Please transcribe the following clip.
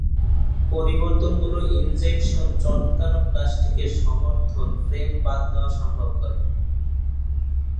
পরিবর্তনগুলো ইনজেকশন-চটকানো প্লাস্টিকের সমর্থন ফ্রেম বাদ দেওয়া সম্ভব করে।